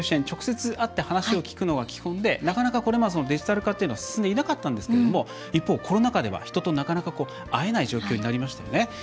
直接、会って話を聞くのが基本でなかなか、これまでデジタル化というのは進んでいなかったんですがコロナ禍では人と会えない状況になりましたよね。